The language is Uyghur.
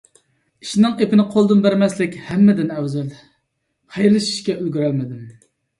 ئىشنىڭ ئېپىنى قولدىن بەرمەسلىك ھەممىدىن ئەۋزەل، خەيرلىشىشكە ئۈلگۈرەلمىدىم.